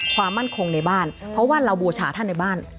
ความมั่นคงในบ้านเพราะว่าเราบูชาท่านในบ้าน